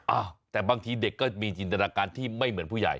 อ้าวแต่บางทีเด็กก็มีจินตนาการที่ไม่เหมือนผู้ใหญ่